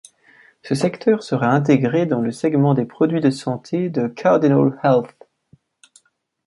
Ce secteur sera intégré dans le segment des produits de santé de Cardinal Health.